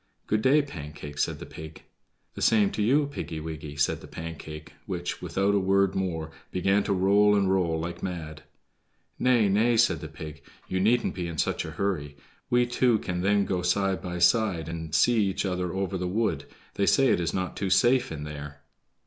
"Good day, Pancake," said the pig. "The same to you, Piggy wiggy," said the Pancake, which, without a word more, began to roll and roll like mad. "Nay, nay," said the pig, "you needn't be in such a hurry; we two can then go side by side and see each other over the wood; they say it is not too safe in there."